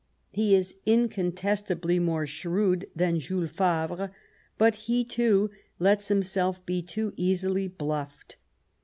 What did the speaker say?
He is incontestably more shrewd than Jules Favre, but he, too, lets himself be too easily bluffed.